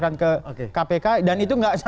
ke kpk dan itu tidak